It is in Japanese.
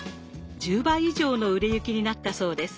１０倍以上の売れ行きになったそうです。